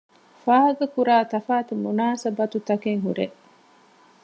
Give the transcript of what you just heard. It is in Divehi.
ފާހަގަކުރާ ތަފާތު މުނާސަބަތުތަކެއް ހުރޭ